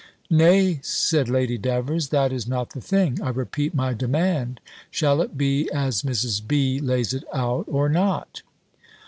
"Nay," said Lady Davers, "that is not the thing. I repeat my demand: shall it be as Mrs. B. lays it out, or not?"